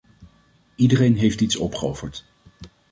Iedereen heeft iets opgeofferd.